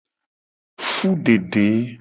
Fudede.